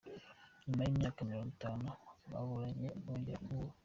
Nyuma y’imyaka mirongo itanu baburanye bongeye guhura